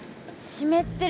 湿ってるわ。